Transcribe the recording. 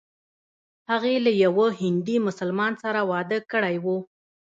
هغې له یوه هندي مسلمان سره واده کړی و.